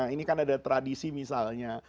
ini kan ada tradisi misalnya